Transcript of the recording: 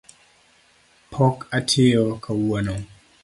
Pok atiyo kawuono.